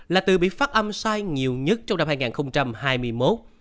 là từ bị phát âm sai nhiều nhất trong năm hai nghìn hai mươi một